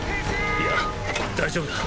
いや大丈夫だ！